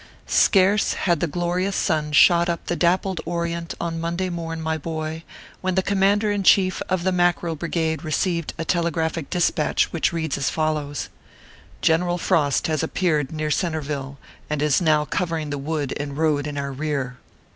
SCARCE had the glorious sun shot up the dappled orient on Monday morn, my boy, when the Com mander in Chief of the Mackerel Brigade received a telegraphic dispatch which reads as follows :" General Frost has appeared near Centreville, and is now covering the wood and road in our rear."